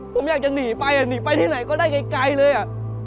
ผมอยากจะหนีไปหนีไปที่ไหนก็ได้ไกลเลยอ่ะ